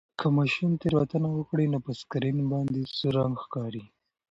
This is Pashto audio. که ماشین تېروتنه وکړي نو په سکرین باندې سور رنګ ښکاري.